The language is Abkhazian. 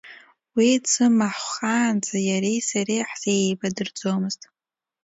Уи дсымаҳәхаанӡа иареи сареи ҳзеибадырӡомызт.